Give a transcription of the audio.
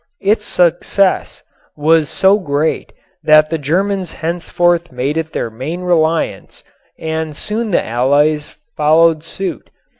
Its success was so great that the Germans henceforth made it their main reliance and soon the Allies followed suit.